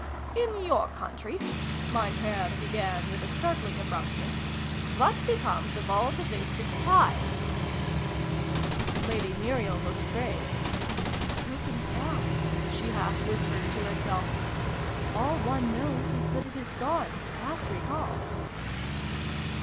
" In your country," Mein Herr began with a startling abruptness, "what becomes of all the wasted Time ?" Lady Muriel looked grave. " Who can tell ?" she half whispered to herself. "All one knows is that it is gone past recall